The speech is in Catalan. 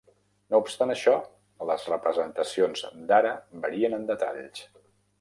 No obstant això, les representacions d'Ara varien en detalls.